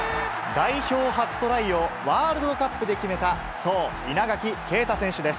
代表初トライをワールドカップで決めたそう、稲垣啓太選手です。